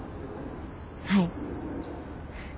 はい。